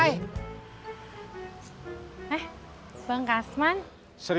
sekarang kamu udah pergi